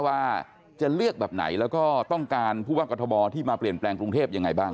ว่าจะเลือกแบบไหนแล้วก็ต้องการผู้ว่ากรทบที่มาเปลี่ยนแปลงกรุงเทพยังไงบ้าง